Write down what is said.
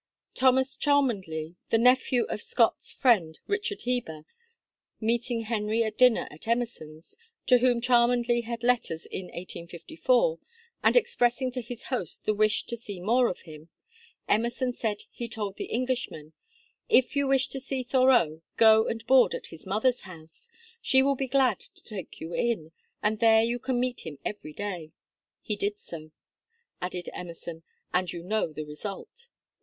Thomas Cholmondeley, the nephew of Scott's friend Richard Heber, meeting Henry at dinner at Emerson's, to whom Cholmondeley had letters in 1854, and expressing to his host the wish to see more of him, Emerson said he told the Englishman, 'If you wish to see Thoreau, go and board at his mother's house; she will be glad to take you in, and there you can meet him every day. He did so,' added Emerson, 'and you know the result.'